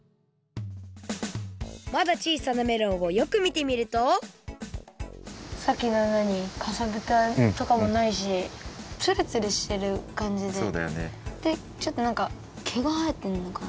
まだちいさなメロンをよくみてみるとさっきののようにかさぶたとかもないしつるつるしてるかんじででちょっとなんかけがはえてんのかな。